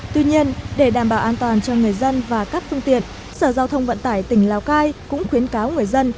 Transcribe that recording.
tuy nhiên để đảm bảo an toàn cho người dân và các phương tiện sở giao thông vận tải tỉnh lào cai cũng khuyến cáo người dân